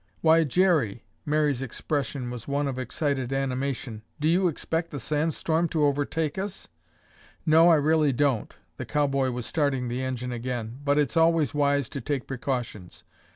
"Why, Jerry," Mary's expression was one of excited animation, "do you expect the sand storm to overtake us?" "No, I really don't." The cowboy was starting the engine again. "But it's always wise to take precautions."